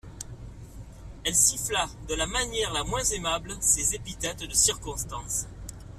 Elle siffla, de la manière la moins aimable, ces épithètes de circonstance.